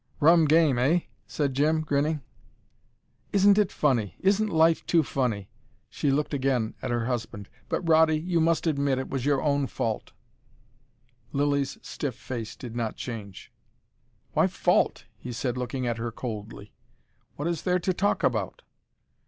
"Rum game, eh!" said Jim, grinning. "Isn't it funny! Isn't life too funny!" She looked again at her husband. "But, Rawdy, you must admit it was your own fault." Lilly's stiff face did not change. "Why FAULT!" he said, looking at her coldly. "What is there to talk about?"